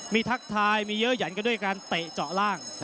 มีทักทายมีเยอะหยันกันด้วยการเตะเจาะล่าง